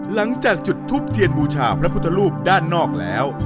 หลังจากจุดทูปเทียนบูชาพระพุทธรูปด้านนอกแล้ว